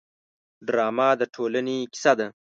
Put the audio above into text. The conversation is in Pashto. ډرامه د ټولنې کیسه ده